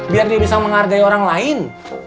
biar dia bisa menghargai orang lain